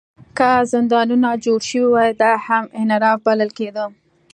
که زندانونه جوړ شوي وي، دا هم انحراف بلل کېده.